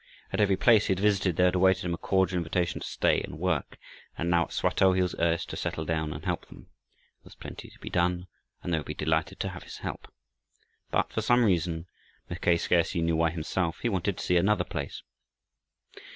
At every place he had visited there had awaited him a cordial invitation to stay and work. And now at Swatow he was urged to settle down and help them. There was plenty to be done, and they would be delighted to have his help. But for some reason, Mackay scarcely knew why himself, he wanted to see another place.